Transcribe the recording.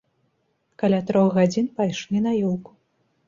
Каля трох гадзін пайшлі на ёлку.